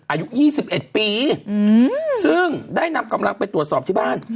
อายุ๒๑ปีซึ่งได้นำกำลังไปตรวจสอบที่บ้าน